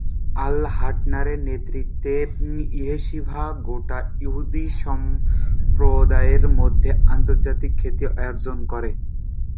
আর' হাটনারের নেতৃত্বে, ইয়েশিভা গোঁড়া ইহুদি সম্প্রদায়ের মধ্যে আন্তর্জাতিক খ্যাতি অর্জন করে।